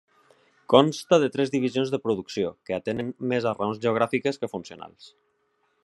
Consta de tres divisions de producció, que atenen més a raons geogràfiques que funcionals.